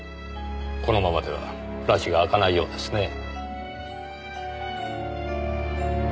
このままではらちがあかないようですねぇ。